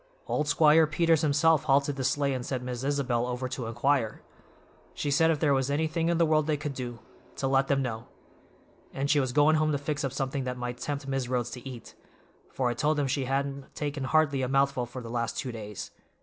Old Squire Peters himself halted the sleigh and sent Miss Isabel over to inquire. She said if there was anything in the world they could do, to let them know; and she was goin' home to fix up something that might tempt Mis' Rhodes to eat, for I told them she hadn't taken hardly a mouthful for the last two days.